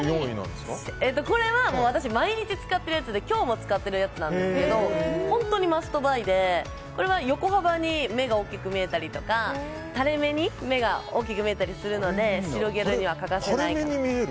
私、毎日使ってるやつで今日も使ってるやつなんですけど本当にマストバイでこれは横幅に目が大きく見えたりとかたれ目に目が大きく見えたりするのでたれ目に見えるんですか？